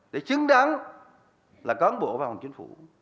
để chứng đáng là cán bộ vào hòng chính phủ